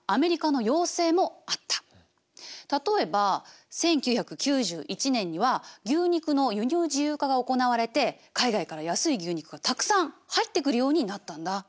例えば１９９１年には牛肉の輸入自由化が行われて海外から安い牛肉がたくさん入ってくるようになったんだ。